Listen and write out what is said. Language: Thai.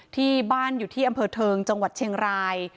ที่บ้านอยู่ที่อำเภอเทิงจังหวัดเชียงราย